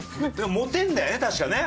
モテるんだよね？